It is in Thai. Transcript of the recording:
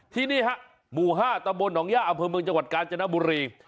ที่นี่หมู่๕ตะบนหนองย่าอาเผิมเมืองจังหวัดกาลจนบุรี